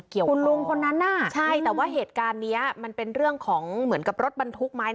ขุมลุงคนนั้น